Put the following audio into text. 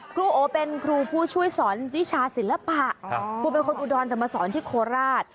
ครูโอเป็นครูผู้ช่วยสอนวิชาศิลปะครูเป็นคนอุดรแต่มาสอนที่โคราช